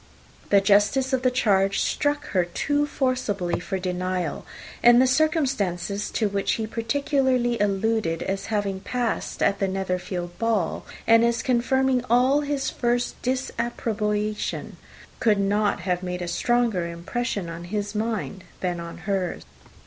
The justice of the charge struck her too forcibly for denial; and the circumstances to which he particularly alluded, as having passed at the Netherfield ball, and as confirming all his first disapprobation, could not have made a stronger impression on his mind than on hers.